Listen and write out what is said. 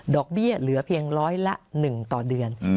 เบี้ยเหลือเพียงร้อยละ๑ต่อเดือน